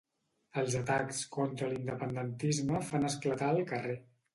Els atacs contra l'independentisme fan esclatar el carrer.